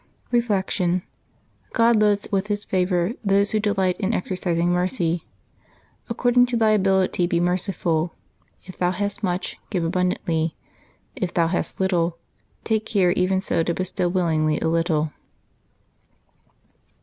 Reflection. — God loads with His favor those who de light in exercising mercy. " According to thy ability be merciful: if thou hast much, give abundantly; if thou hast little, take care even so to bestow willingly a little.